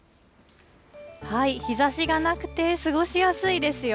日ざしがなくて過ごしやすいですよ。